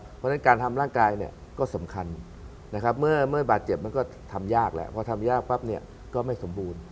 เพราะฉะนั้นการทำร่างกายเนี่ยก็สำคัญนะครับเมื่อบาดเจ็บมันก็ทำยากแหละพอทำยากปั๊บเนี่ยก็ไม่สมบูรณ์